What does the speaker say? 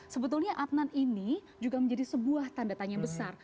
sebetulnya adnan ini juga menjadi sebuah tanda tanya besar